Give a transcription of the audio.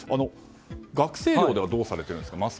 学生寮ではどうされていますか？